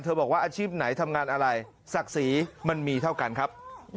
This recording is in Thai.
บอกว่าอาชีพไหนทำงานอะไรศักดิ์ศรีมันมีเท่ากันครับ